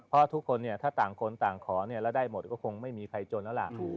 เพราะทุกคนเนี่ยถ้าต่างคนต่างขอแล้วได้หมดก็คงไม่มีใครจนแล้วล่ะ